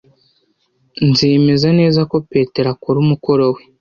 Nzemeza neza ko Petero akora umukoro we.